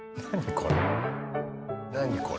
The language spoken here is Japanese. これ。